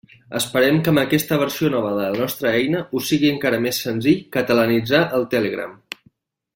Esperem que amb aquesta versió nova de la nostra eina us sigui encara més senzill catalanitzar el Telegram.